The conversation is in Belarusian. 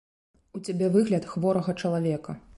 У цябе выгляд хворага чалавека!